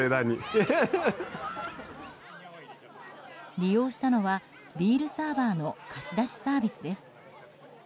利用したのはビールサーバーの貸し出しサービスです。